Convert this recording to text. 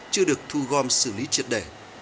chưa được thu gom xử lý triệt đẻ